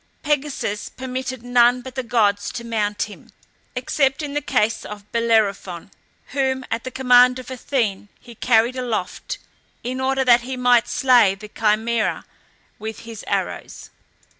Pegasus permitted none but the gods to mount him, except in the case of Bellerophon, whom, at the command of Athene, he carried aloft, in order that he might slay the Chimæra with his arrows.